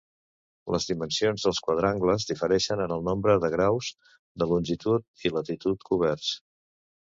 Les dimensions dels quadrangles difereixen en el nombre de graus de longitud i latitud coberts.